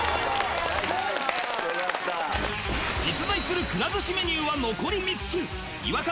実在するくら寿司メニューは残り３つ違和感